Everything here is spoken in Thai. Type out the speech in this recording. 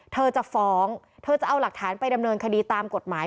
เธอจะฟ้องเธอจะเอาหลักฐานไปดำเนินคดีตามกฎหมาย